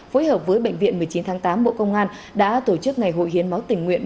phối hợp với bệnh viện một mươi chín tháng tám bộ công an đã tổ chức ngày hội hiến máu tình nguyện